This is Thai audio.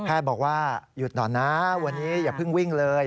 แพทย์บอกว่าหยุดก่อนนะวันนี้อย่าพึ่งวิ่งเลย